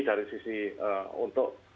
dari sisi untuk